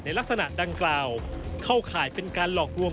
ลักษณะดังกล่าวเข้าข่ายเป็นการหลอกลวง